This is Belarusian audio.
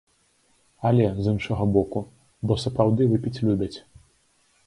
Але, з іншага боку, бо сапраўды выпіць любяць.